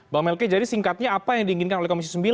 bang melke jadi singkatnya apa yang diinginkan oleh komisi sembilan